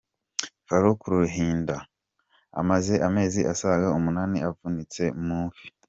Faruku Ruhinda amaze amezi asaga umunani avunitse mu ivi.